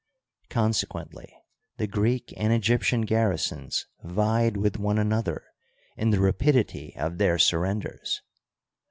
Consequently, the Greek and Egyptian garrisons vied with one another in the rapidity of their surrenders.